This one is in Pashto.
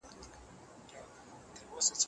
سپوږمۍ روانه ورته ورو شوه ته به کله راځې